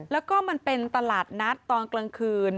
แล้วก็มันเป็นตลาดนัดตอนกลางคืน